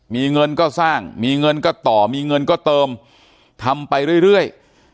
มีเงินก็สร้างมีเงินก็ต่อมีเงินก็เติมทำไปเรื่อย